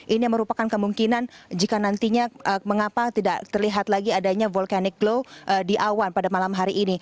ini merupakan kemungkinan jika nantinya mengapa tidak terlihat lagi adanya volcanic glow di awan pada malam hari ini